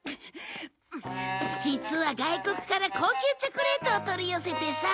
実は外国から高級チョコレートを取り寄せてさ。